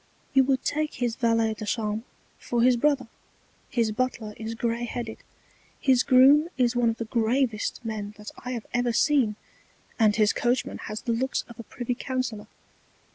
You would take his Valet de Chambre for his Brother, his Butler is grey headed, his Groom is one of the Gravest men that I have ever seen, and his Coachman has the Looks of a Privy Counsellor.